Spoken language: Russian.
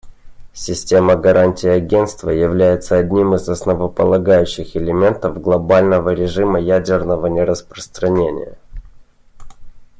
Система гарантий Агентства является одним из основополагающих элементов глобального режима ядерного нераспространения.